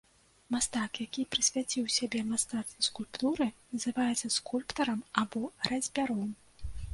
Мастак, які прысвяціў сябе мастацтву скульптуры, называецца скульптарам або разьбяром.